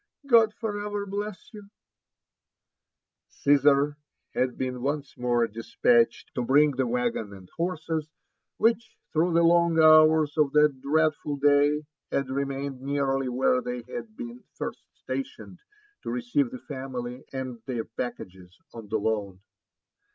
— God for ever bless you I" Cnsar had been once more despatched to bring the waggon and JONATHAN JEFFERSON VVHITLAW. S5S horses which through the long hours of that dreadful day had re mained nearly where they had heen first stationed to receive the family and their packages on the lawn.